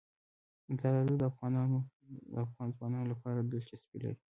زردالو د افغان ځوانانو لپاره دلچسپي لري.